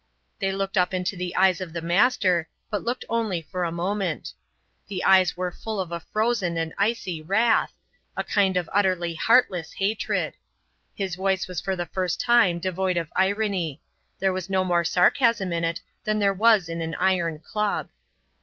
They looked up into the eyes of the Master, but looked only for a moment. The eyes were full of a frozen and icy wrath, a kind of utterly heartless hatred. His voice was for the first time devoid of irony. There was no more sarcasm in it than there is in an iron club.